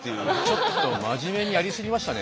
ちょっと真面目にやり過ぎましたね。